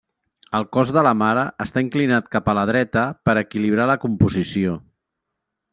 El cos de la Mare està inclinat cap a la dreta per equilibrar la composició.